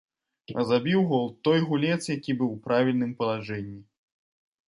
А забіў гол той гулец, які быў у правільным палажэнні.